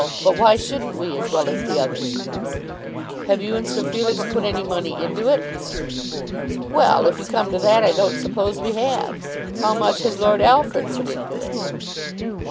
But why shouldn't we as well as the others?" "Have you and Sir Felix put any money into it?" "Well, if you come to that, I don't suppose we have. How much has Lord Alfred put into it?"